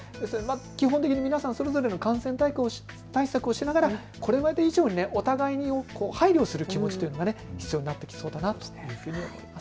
基本的に皆さんそれぞれの感染対策をしながらこれまで以上にお互いを配慮する気持ちというのが必要になってきそうだなというふうに思います。